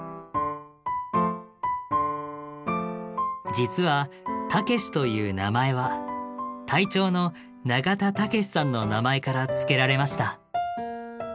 実はたけしという名前は隊長の永田武さんの名前から付けられました。